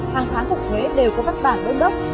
hàng tháng phục huế đều có văn bản đơn đốc